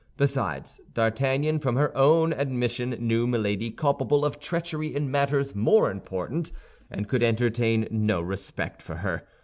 Besides, D'Artagnan from her own admission knew Milady culpable of treachery in matters more important, and could entertain no respect for her.